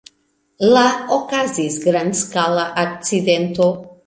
La okazis grandskala akcidento.